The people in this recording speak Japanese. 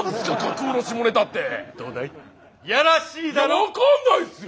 いや分かんないっすよ！